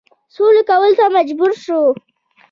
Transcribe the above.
سولي کولو ته مجبور شو.